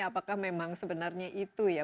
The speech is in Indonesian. apakah memang sebenarnya itu ya